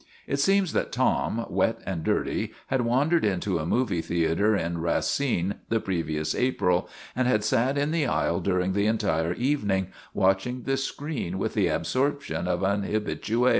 It seems that Tom, wet and dirty, had wandered into a movie theater in Racine the pre vious April and had sat in the aisle during the entire evening, watching the screen with the absorption of an habitue.